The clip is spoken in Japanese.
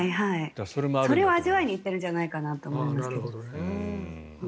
それを味わいに行ってるんじゃないかと思いますが。